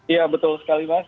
iya betul sekali mas